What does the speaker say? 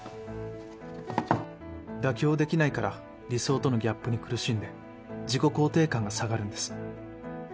妥協できないから理想とのギャップに苦しんで自己肯定感が下がるんです。